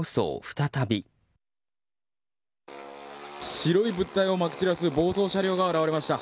白い物体をまき散らす暴走車両が現れました。